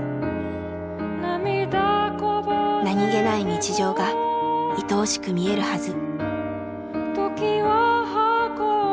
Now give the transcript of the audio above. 何気ない日常がいとおしく見えるはず。